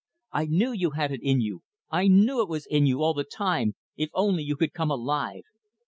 I knew you had it in you. I knew it was in you, all the time if only you could come alive.